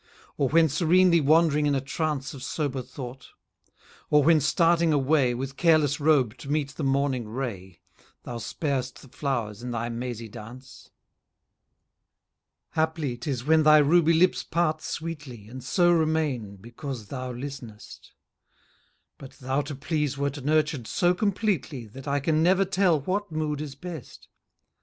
Or when serenely wand'ring in a trance Of sober thought? Or when starting away, With careless robe, to meet the morning ray, Thou spar'st the flowers in thy mazy dance? Haply 'tis when thy ruby lips part sweetly, And so remain, because thou listenest: But thou to please wert nurtured so completely That I can never tell what mood is best.